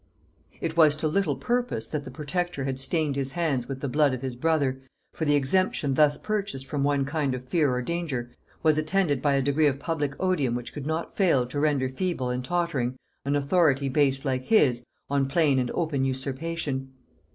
It was to little purpose that the protector had stained his hands with the blood of his brother, for the exemption thus purchased from one kind of fear or danger, was attended by a degree of public odium which could not fail to render feeble and tottering an authority based, like his, on plain and open usurpation.